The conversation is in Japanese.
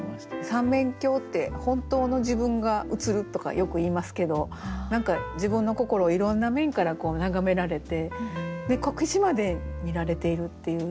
三面鏡って本当の自分が映るとかよくいいますけど何か自分の心をいろんな面から眺められてこけしまで見られているっていう。